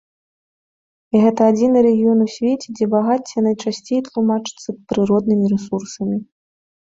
І гэта адзіны рэгіён у свеце, дзе багацце найчасцей тлумачыцца прыроднымі рэсурсамі.